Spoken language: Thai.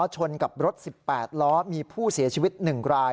ชนกับรถ๑๘ล้อมีผู้เสียชีวิต๑ราย